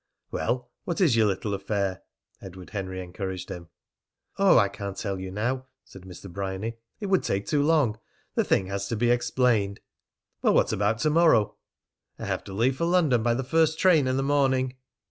"Well, what is your little affair?" Edward Henry encouraged him. "Oh, I can't tell you now," said Mr. Bryany. "It would take too long. The thing has to be explained." "Well, what about to morrow?" "I have to leave for London by the first train in the morning."